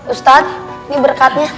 ustadz ini berkatnya